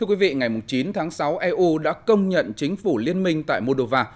tuyên bố của eu đã công nhận chính phủ liên minh tại moldova